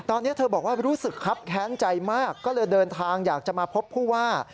ตอนนี้เธอบอกว่ารู้สึกครับแค้นใจมากก็เลยเดินทางอยากจะมาพบผู้ว่า